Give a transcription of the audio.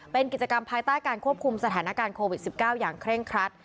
เป็นกิจกรรมภายใต้การควบคุมสถานการณ์โควิด๑๙อย่างเคร่งครัด